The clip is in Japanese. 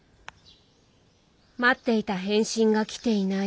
待っていた返信が来ていない